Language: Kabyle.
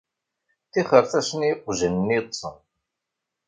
Ṭixret-asen i yeqjan-nni yeṭṭsen.